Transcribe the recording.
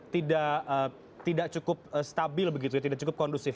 tidak cukup stabil begitu ya tidak cukup kondusif